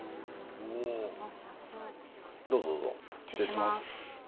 どうぞどうぞ失礼します